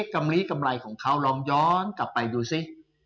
กำลีกำไรของเขาลองย้อนกลับไปดูสิ